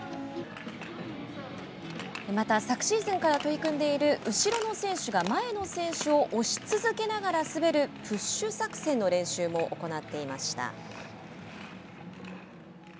また、昨シーズンから取り組んでいる後ろの選手が前の選手を押し続けながら滑るプッシュ作戦の練習も行っていました。